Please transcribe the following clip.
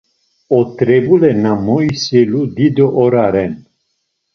Ot̆rebule na moiselu dido ora ren.